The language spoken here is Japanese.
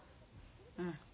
うん。